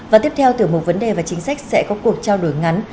và tiếp theo tiểu mục vấn đề và chính sách sẽ có cuộc trao đổi ngắn